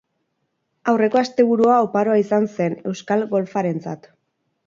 Aurreko asteburua oparoa izan zen euskal golfarentzat.